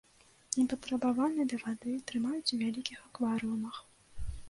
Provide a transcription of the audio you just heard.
Непатрабавальны да вады, трымаюць у вялікіх акварыумах.